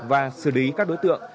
và xử lý các đối tượng